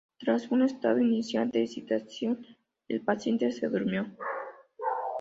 Tras un estado inicial de excitación, el paciente se durmió.